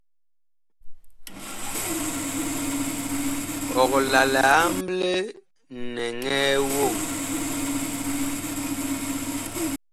Ɔg la ma li amble nɛŋɛɛ voŋ ?